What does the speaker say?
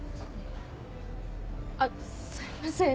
あっすいません。